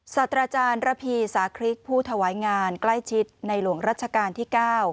สัตว์อาจารย์ระพีสาคริกผู้ถวายงานใกล้ชิดในหลวงรัชกาลที่๙